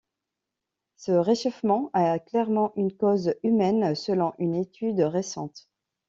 Ce réchauffement a clairement une cause humaine selon une étude récente.